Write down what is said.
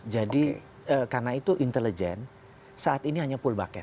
jadi karena itu intelijen saat ini hanya pull bucket